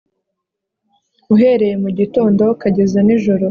uhereye mu gitondo ukageza nijoro